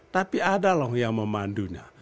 tapi ada loh yang memandunya